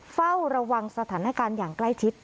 เฝ้าระวังสถานการณ์อย่างใกล้ชิด